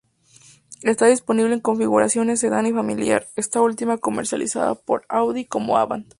Está disponible en configuraciones sedán y familiar, esta última comercializada por Audi como "Avant".